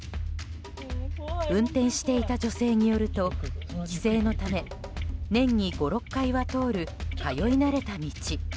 運転していた女性によると帰省のため年に５６回は通る通い慣れた道。